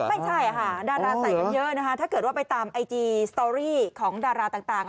เขาใส่กันเยอะนะฮะถ้าเกิดว่าไปตามไอจีสตอรี่ของดาราต่าง